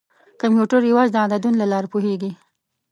کمپیوټر یوازې د عددونو له لارې پوهېږي.